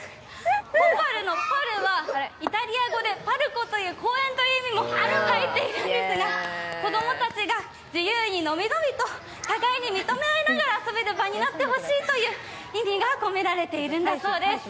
コパルのパルはイタリア語で公園という意味も入っているんですが、子供たちが自由にのびのびと互いに認め合いながら遊べる場所になってほしいという意味が込められているそうです。